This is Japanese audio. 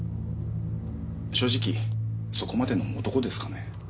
正直そこまでの男ですかね。